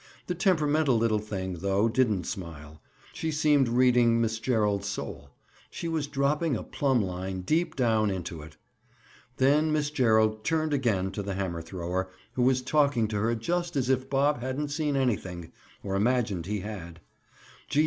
The temperamental little thing, though, didn't smile. She seemed reading Miss Gerald's soul. She was dropping a plumb line deep down into it. Then Miss Gerald turned again to the hammer thrower, who talked to her just as if Bob hadn't seen anything, or imagined he had.